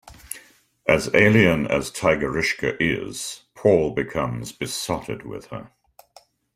As alien as Tigerishka is, Paul becomes besotted with her.